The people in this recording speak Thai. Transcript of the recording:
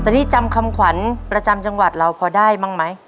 แต่นี่จำคำขวัญประจำจังหวัดเราพอได้มั้งมั้ย